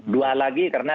dua lagi karena